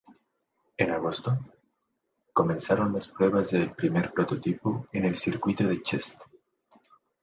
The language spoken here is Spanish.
En agosto, comenzaron las pruebas del primer prototipo en el circuito de Cheste.